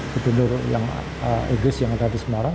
penduduk inggris yang ada di semarang